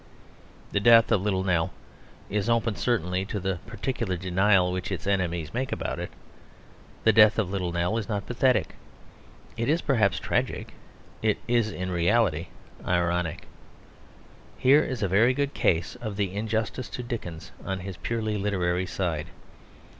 The death of Little Nell is open certainly to the particular denial which its enemies make about it. The death of Little Nell is not pathetic. It is perhaps tragic; it is in reality ironic. Here is a very good case of the injustice to Dickens on his purely literary side.